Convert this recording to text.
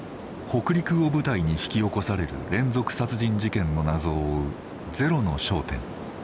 北陸を舞台に引き起こされる連続殺人事件の謎を追う「ゼロの焦点」。